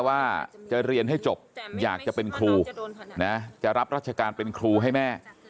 ว่าจะเรียนให้จบอยากจะเป็นครูนะจะรับรัชการเป็นครูให้แม่